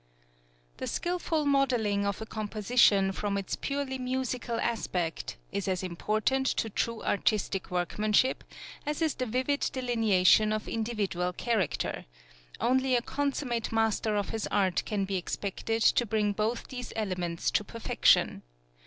The skilful modelling of a composition from its purely musical aspect, is as important to true artistic workmanship as is the vivid delineation of individual character; only a consummate master of his art can be expected to bring both these elements to perfection.